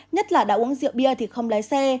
nhất là đã uống rượu bia thì không lái xe